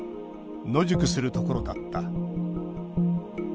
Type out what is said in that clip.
野宿するところだった」。